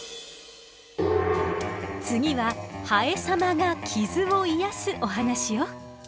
次はハエ様が傷を癒やすお話よ。